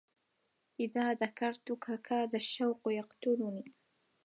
إذا ذكرتك كاد الشوق يقلقني